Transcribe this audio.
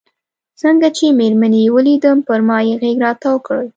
څنګه چې مېرمنې یې ولیدم پر ما یې غېږ را وتاو کړل.